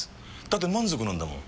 だって満足なんだもん。